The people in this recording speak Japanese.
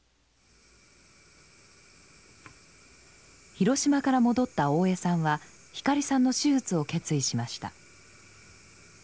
広島から戻った大江さんは光さんの手術を決意しました。